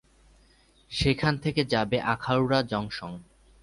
সেখান থেকে যাবে আখাউড়া জংশন।